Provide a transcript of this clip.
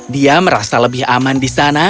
dia merasa lebih aman di sana